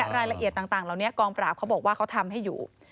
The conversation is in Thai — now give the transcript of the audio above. รายละเอียดต่างเหล่านี้กองปราบเขาบอกว่าเขาทำให้อยู่